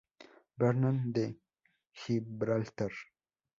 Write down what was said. Bernard de Gibraltar.